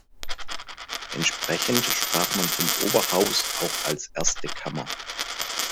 Entsprechend sprach man vom Oberhaus auch als "erste Kammer".